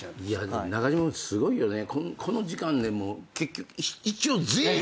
でも中島君すごいよね。